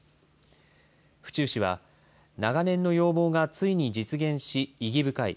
府中市は長年の要望がついに実現し、意義深い。